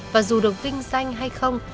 và dù được vinh danh hay không